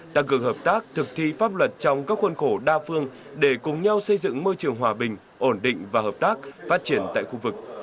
tăng cường hợp tác thực thi pháp luật trong các khuôn khổ đa phương để cùng nhau xây dựng môi trường hòa bình ổn định và hợp tác phát triển tại khu vực